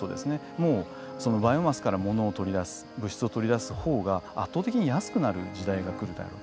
もうバイオマスから物を取り出す物質を取り出す方が圧倒的に安くなる時代が来るだろうと。